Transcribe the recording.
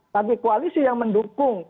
bagi koalisi yang mendukung